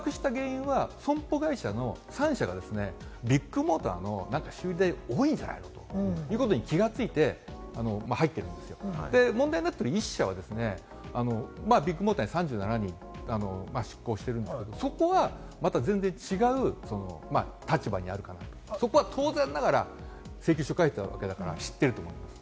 今回、その辺が混合しちゃってるんで、損保会社の３社がビッグモーターの金額多いんじゃないの？と気づいて入っているんですよ、問題になっている１社がですね、ビッグモーターに３７人出向しているんですけれども、そこは全然違う立場にある方と、当然ながら請求書を書いているわけですから、知ってると思います。